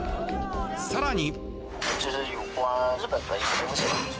更に。